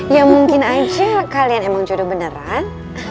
ya mungkin aja kalian emang jodoh beneran